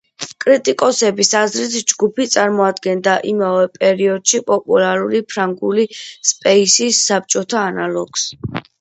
კრიტიკოსების აზრით, ჯგუფი წარმოადგენდა იმავე პერიოდში პოპულარული ფრანგული „სპეისის“ საბჭოთა ანალოგს.